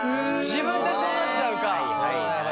自分でそうなっちゃうか。